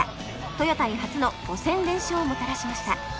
トヨタに初の５戦連勝をもたらしました